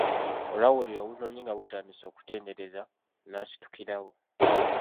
Olwawulira obunyonyi nga butandise okutendereza, n'asitukirawo.